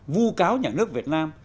vu cáo nhà nước việt nam